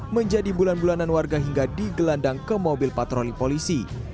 menjadi bulan bulanan warga hingga digelandang ke mobil patroli polisi